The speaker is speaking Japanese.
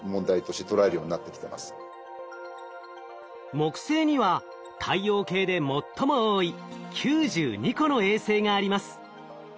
木星には太陽系で最も多い９２個の衛星があります。